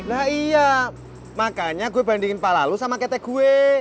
nah iya makanya gue bandingin palalu sama kete gue